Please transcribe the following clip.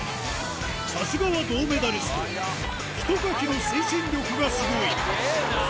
さすがは銅メダリストひとかきの推進力がスゴいスゲェな！